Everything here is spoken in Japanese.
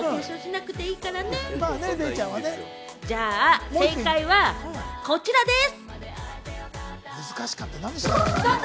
じゃあ、正解はこちらでぃす！